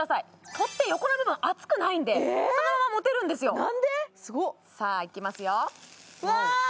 取っ手横の部分熱くないんでそのまま持てるんですよさあいきますよわあ